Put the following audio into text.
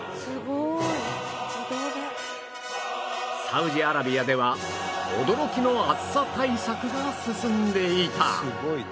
サウジアラビアでは驚きの暑さ対策が進んでいた